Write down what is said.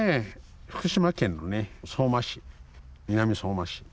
福島県のね相馬市南相馬市